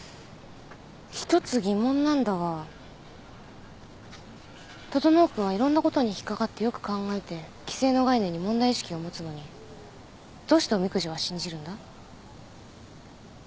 １つ疑問なんだが整君はいろんなことに引っ掛かってよく考えて既成の概念に問題意識を持つのにどうしておみくじは信じるんだ？